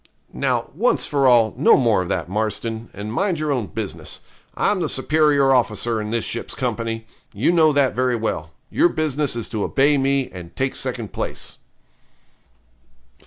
Now, once for all, no more of that, Marston, and mind your own business. I'm the superior officer in this ship's company you know that very well your business is to obey me, and take second place.'